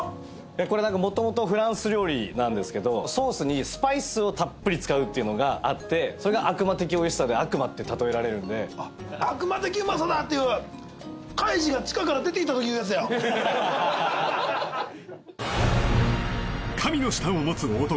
これもともとフランス料理なんですけどソースにスパイスをたっぷり使うっていうのがあってそれが悪魔的おいしさで悪魔って例えられるんであっ悪魔的うまさだっていう神の舌を持つ男